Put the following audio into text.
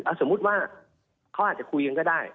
สมมุติว่าเขาอาจจะคุยกันก็ได้